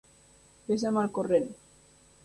Vés amb el corrent.